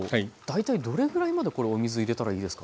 大体どれぐらいまでお水入れたらいいですか？